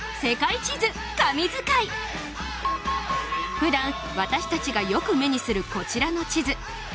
普段私たちがよく目にするこちらの地図